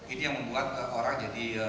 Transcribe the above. ini yang membuat orang jadi